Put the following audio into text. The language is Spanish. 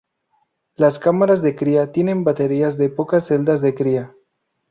Las cámaras de cría tienen baterías de pocas celdas de cría.